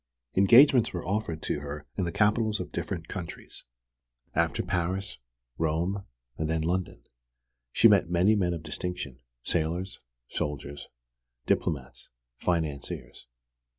Engagements were offered to her in the capitals of different countries: after Paris, Rome, and then London. She met many men of distinction, sailors, soldiers, diplomats, financiers.